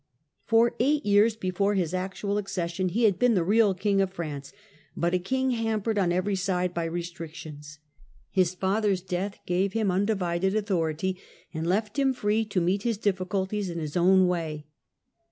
For eight years before his actual accession he had been the real king of France, but a king hampered on every side by restrictions. His father's death gave him undivided authority and left him free to meet his difficulties in his own way.